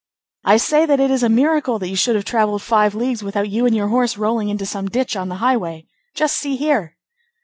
"I say that it is a miracle that you should have travelled five leagues without you and your horse rolling into some ditch on the highway. Just see here!"